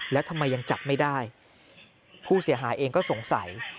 แล้วทำไมยังจับไม่ได้ผู้เสียหายเองก็สงสัย